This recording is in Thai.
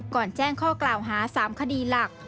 แจ้งข้อกล่าวหา๓คดีหลัก